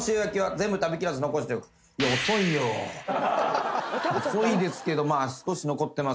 遅いですけどま